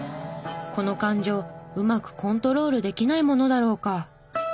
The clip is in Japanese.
この感情うまくコントロールできないものだろうか。